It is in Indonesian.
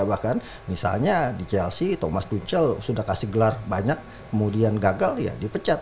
bahkan misalnya di chelsea thomas duchel sudah kasih gelar banyak kemudian gagal ya dipecat